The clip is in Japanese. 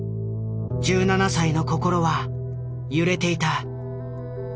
１７歳の心は揺れていた。